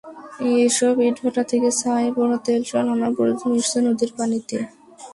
এসব ইটভাটা থেকে ছাই, পোড়া তেলসহ নানা বর্জ্য মিশছে নদীর পানিতে।